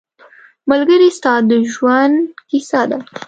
ملګری ستا د ژوند کیسه ده